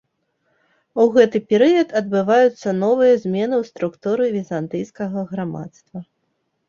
У гэты перыяд адбываюцца новыя змены ў структуры візантыйскага грамадства.